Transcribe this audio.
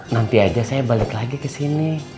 nanti aja saya balik lagi kesini